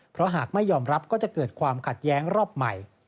เพราะหากไม่ยอมรับก็จะเกิดความขัดแย้งรอบใหม่